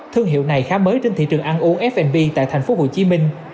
thương hiệu này khá mới trên thị trường ăn uống f b tại thành phố hồ chí minh